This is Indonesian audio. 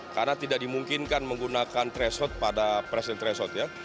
karena tidak dimungkinkan menggunakan threshold pada presidensial threshold ya